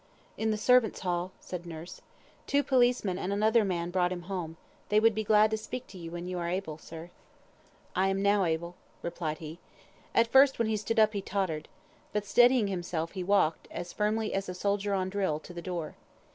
"In the servants' hall," said nurse. "Two policemen and another man brought him home. They would be glad to speak to you when you are able, sir." "I am able now," replied he. At first when he stood up, he tottered. But steadying himself, he walked, as firmly as a soldier on drill, to the door.